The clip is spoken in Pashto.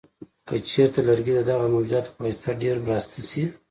که چېرته لرګي د دغه موجوداتو په واسطه ډېر وراسته شي.